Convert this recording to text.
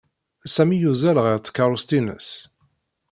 Sami yuzzel ɣer tkaṛust-ines.